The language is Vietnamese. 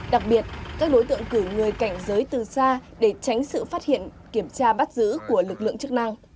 đặc biệt các đối tượng cử người cảnh giới từ xa để tránh sự phát hiện kiểm tra bắt giữ của lực lượng chức năng